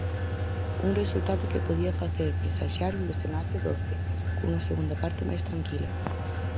Un resultado que podía facer presaxiar un desenlace doce, cunha segunda parte máis tranquila.